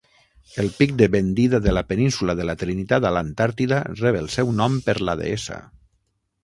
El pic de Bendida de la Península de la Trinitat a l'Antàrtida rep el seu nom per la deessa.